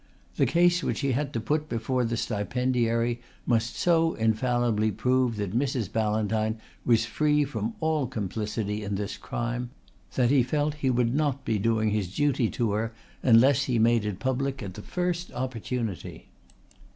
The case which he had to put before the stipendiary must so infallibly prove that Mrs. Ballantyne was free from all complicity in this crime that he felt he would not be doing his duty to her unless he made it public at the first opportunity.